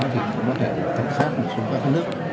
chúng ta có thể tham khát một số các nước